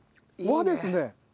和ですね。